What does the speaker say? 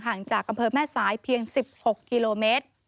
จากอำเภอแม่สายเพียง๑๖กิโลเมตร